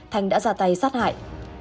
thanh đã ra tay sát hại